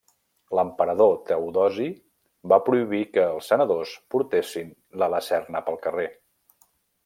L'emperador Teodosi va prohibir que els senadors portessin la lacerna pel carrer.